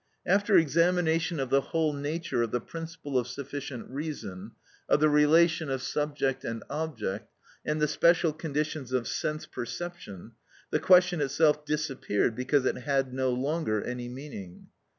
After examination of the whole nature of the principle of sufficient reason, of the relation of subject and object, and the special conditions of sense perception, the question itself disappeared because it had no longer any meaning.